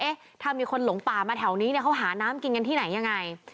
ถ้ามีคนหลงป่ามาแถวนี้เนี่ยเขาหาน้ำกินกันที่ไหนยังไง